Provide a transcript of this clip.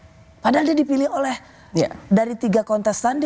maksudnya dan dengan cara hitung hitung pada akhirnyaimir caput net worth zain dan